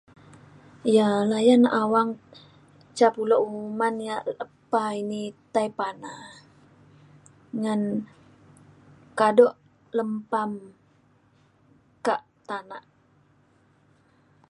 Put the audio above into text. ia' layan awang ca pulo uman ia' lepa ini tai pana ngan kado lempam ka tanak